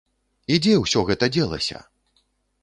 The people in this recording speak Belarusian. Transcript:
І дзе ўсё гэта дзелася?